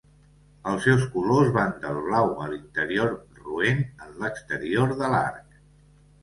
Els seus colors van del blau a l'interior roent en l'exterior de l'arc.